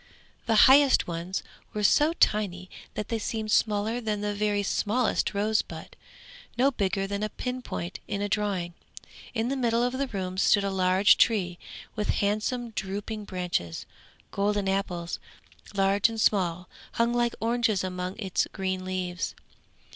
The highest ones were so tiny that they seemed smaller than the very smallest rosebud, no bigger than a pinpoint in a drawing. In the middle of the room stood a large tree, with handsome drooping branches; golden apples, large and small, hung like oranges among its green leaves.